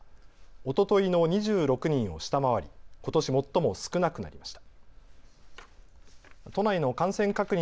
おとといの２６人を下回り、ことし最も少なくなりました。